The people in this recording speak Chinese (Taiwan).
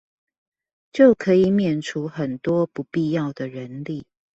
就可以免除很多不必要的人力